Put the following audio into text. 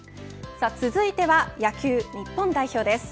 続いては野球日本代表です。